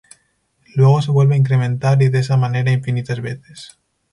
Luego se vuelve a incrementar y de esa manera infinitas veces.